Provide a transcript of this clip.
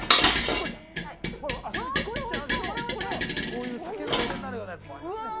こういう酒のアテになるようなやつもありますよ。